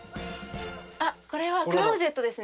これはクローゼットです